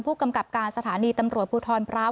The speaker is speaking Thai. ผู้กำกับการสถานีตำรวจภูทรพร้าว